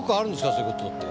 そういう事って。